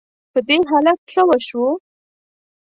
په دې هلک څه وشوو؟!